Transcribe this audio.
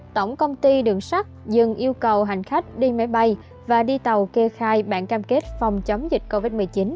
tổng công ty đường sắt dừng yêu cầu hành khách đi máy bay và đi tàu kê khai bản cam kết phòng chống dịch covid một mươi chín